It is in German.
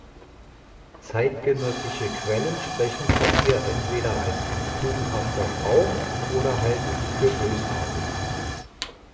Zeitgenössische Quellen sprechen von ihr entweder als tugendhafter Frau oder halten sie für bösartig.